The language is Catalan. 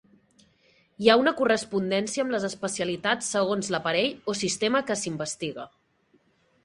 Hi ha una correspondència amb les especialitats segons l'aparell o sistema que s'investiga.